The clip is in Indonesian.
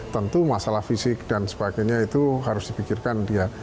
tentu masalah fisik dan sebagainya itu harus dipikirkan dia